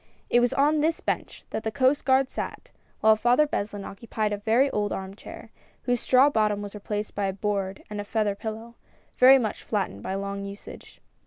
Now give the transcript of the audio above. It was on this bench that the Coast Guard sat, while Father Beslin occupied a very old arm chair, whose straw bottom was replaced by a board and a feather pillow, very much flattened by long usage.